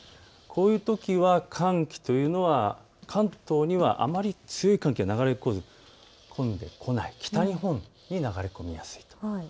こういうときは寒気というのは関東にはあまり強い寒気が流れ込んでこない、北のほうに流れ込みます。